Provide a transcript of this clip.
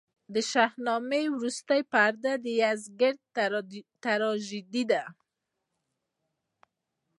د شاهنامې وروستۍ پرده د یزدګُرد تراژیدي ده.